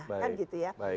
kan gitu ya